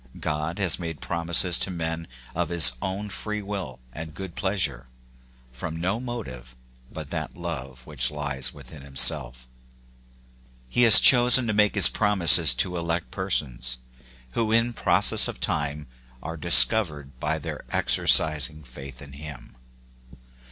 God has made promises to men of his own free will and good pleasure, from no motive but that love which lies within himself. He has chosen to make his promises to elect persons, who in process of time are discovered by their exercising faith in him.